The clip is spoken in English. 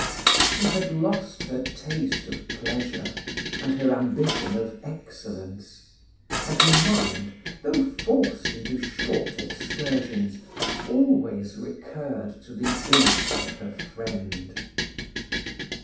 She had lost her taste of pleasure and her ambition of excellence; and her mind, though forced into short excursions, always recurred to the image of her friend.